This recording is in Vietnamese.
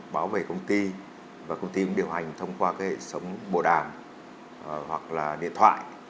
bảo vệ công ty và công ty cũng điều hành thông qua hệ thống bộ đàm hoặc điện thoại